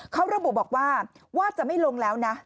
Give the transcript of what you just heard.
เขาระบุบอกว่าว่าจะไม่ลงแล้วนะ